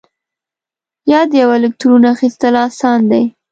یا د یوه الکترون اخیستل آسان دي؟